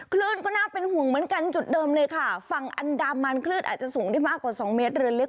คลื่นก็น่าเป็นห่วงเหมือนกันจุดเดิมเลยค่ะฝั่งอันดามันคลื่นอาจจะสูงได้มากกว่าสองเมตรเรือเล็ก